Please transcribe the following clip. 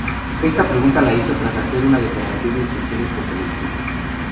Esta pregunta la hizo tras hacer una declaración de intenciones por televisión.